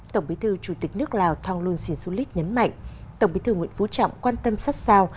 tổng bí thư chủ tịch nước lào thong lun sinh sulit nhấn mạnh tổng bí thư nguyễn phú trọng quan tâm sát sao